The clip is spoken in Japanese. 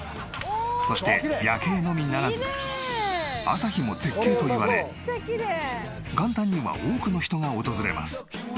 そして夜景のみならず朝日も絶景といわれ元旦には多くの人が訪れます。